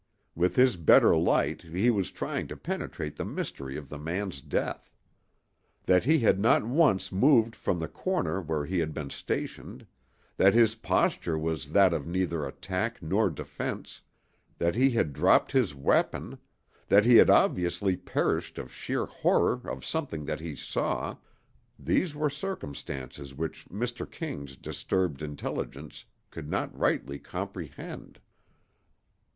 With his better light he was trying to penetrate the mystery of the man's death. That he had not once moved from the corner where he had been stationed; that his posture was that of neither attack nor defense; that he had dropped his weapon; that he had obviously perished of sheer horror of something that he saw—these were circumstances which Mr. King's disturbed intelligence could not rightly comprehend.